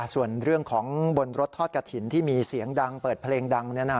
ส่วนเรื่องของบนรถทอดกระถิ่นที่มีเสียงดังเปิดเพลงดัง